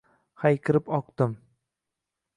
Hayqirib oqdim.